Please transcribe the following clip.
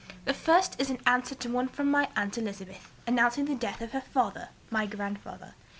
The first is in answer to one from my aunt Elizabeth, announcing the death of her father (my grandfather).